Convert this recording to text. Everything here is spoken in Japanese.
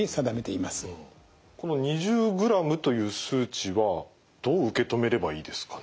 この２０グラムという数値はどう受け止めればいいですかね。